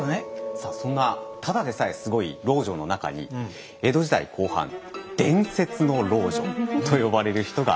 さあそんなただでさえすごい老女の中に江戸時代後半「伝説の老女」と呼ばれる人が現れます。